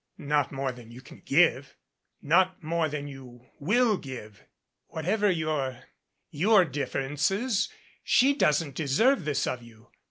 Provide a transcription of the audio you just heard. "Not more than you can give not more than you will give. Whatever your your differences she doesn't deserve this of you.